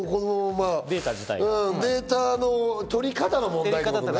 データの取り方の問題ね。